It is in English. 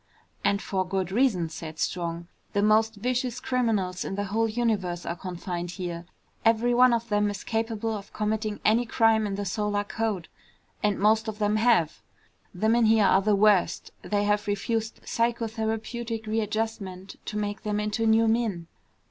"And for good reason," said Strong. "The most vicious criminals in the whole universe are confined here. Every one of them is capable of committing any crime in the solar code. And most of them have. The men here are the worst. They have refused psychotherapeutic readjustment to make them into new men."